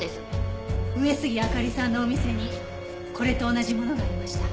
上杉明里さんのお店にこれと同じものがありました。